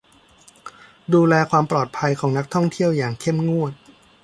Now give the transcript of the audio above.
ดูแลความปลอดภัยของนักท่องเที่ยวอย่างเข้มงวด